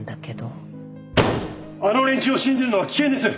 あの連中を信じるのは危険です！